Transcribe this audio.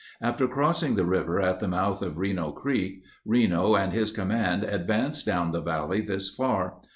After crossing the river at the mouth of Reno Creek, Reno and his command advanced down the valley this far.